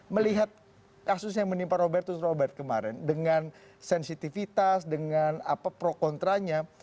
melihat kasus yang menimpa robertus robert kemarin dengan sensitivitas dengan pro kontranya